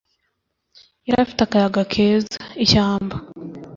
yari afite akayaga keza, ishyamba